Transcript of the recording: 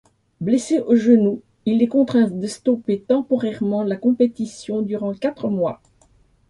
Blessé au genou, il est contraint de stopper temporairement la compétition durant quatre mois.